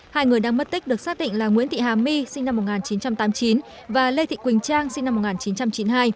hai người đang mất tích được xác định là nguyễn thị hà my sinh năm một nghìn chín trăm tám mươi chín và lê thị quỳnh trang sinh năm một nghìn chín trăm chín mươi hai